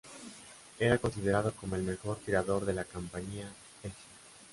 Era considerado como el mejor tirador de la Compañía Easy.